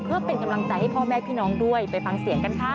เพื่อเป็นกำลังใจให้พ่อแม่พี่น้องด้วยไปฟังเสียงกันค่ะ